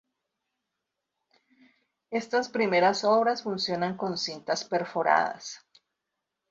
Estas primeras obras funcionan con cintas perforadas.